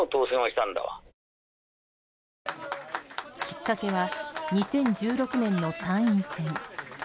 きっかけは２０１６年の参院選。